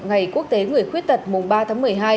ngày quốc tế người khuyết tật mùng ba tháng một mươi hai